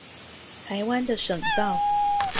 臺灣的省道